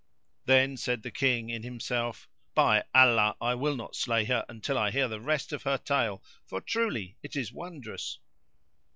Then said the King in himself, "By Allah, I will not slay her until I hear the rest of her tale, for truly it is wondrous."